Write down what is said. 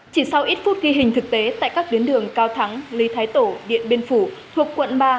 chỉ sau ít phút ghi hình thực tế tại các tuyến đường cao thắng lý thái tổ điện biên phủ thuộc quận ba